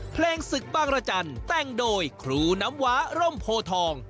เพลงศึกบางรจันทร์แต่งโดยครูน้ำว้าร่มโพทอง